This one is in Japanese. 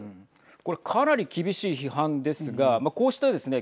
これかなり厳しい批判ですがこうしたですね